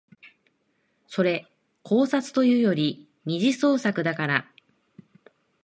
それ考察というより二次創作だから